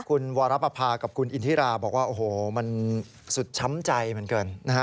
คุณวรปภากับคุณอินทิราบอกว่าโอ้โหมันสุดช้ำใจเหมือนกันนะฮะ